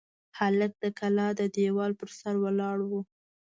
هلک د کلا د دېوال پر سر ولاړ و.